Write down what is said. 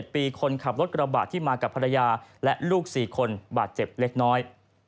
ปีคนขับรถกระบะที่มากับภรรยาและลูก๔คนบาดเจ็บเล็กน้อย